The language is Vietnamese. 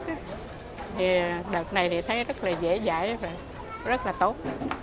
thì đợt này thì thấy rất là dễ dãi và rất là tốt